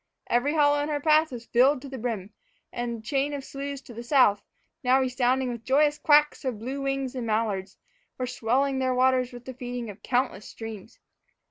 Every hollow in her path was filled to the brim, and the chain of sloughs to the south, now resounding with the joyous quacks of bluewings and mallards, were swelling their waters with the feeding of countless streams.